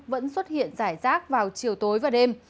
vẫn xuất hiện rải rác vào chiều tối và đêm